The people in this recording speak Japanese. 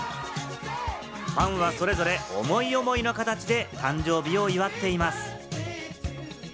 ファンはそれぞれ思い思いの形で誕生日を祝っています。